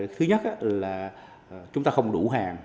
thứ nhất là chúng ta không đủ hàng